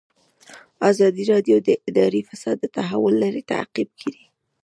ازادي راډیو د اداري فساد د تحول لړۍ تعقیب کړې.